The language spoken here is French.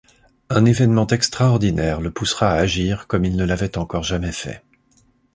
Un événement extraordinaire le poussera à agir comme il ne l'avait encore jamais fait.